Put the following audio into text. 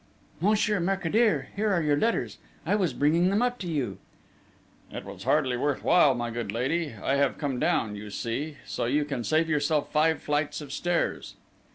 "Monsieur Mercadier, here are your letters! I was bringing them up to you!" "It was hardly worth while, my good lady. I have to come down, you see, so you can save yourself five flights of stairs!"